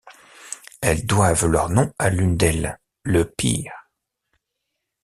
Elles doivent leur nom à l'une d'elles, le pear.